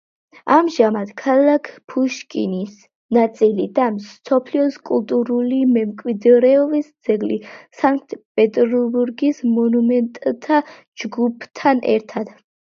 ამჟამად ქალაქ პუშკინის ნაწილი და მსოფლიოს კულტურული მემკვიდრეობის ძეგლი სანქტ-პეტერბურგის მონუმენტთა ჯგუფთან ერთად.